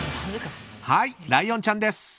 ライオンちゃんです。